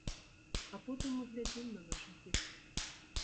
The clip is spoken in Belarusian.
А потым мы глядзім на нашых дзяцей.